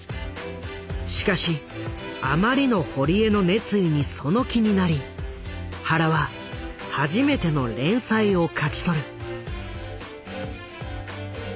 しかしあまりの堀江の熱意にその気になり原は初めての連載を勝ち取る。